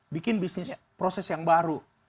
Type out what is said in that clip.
bikin bisnis proses yang baru